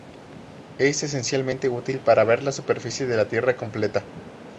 Es esencialmente útil para ver la superficie de la Tierra completa.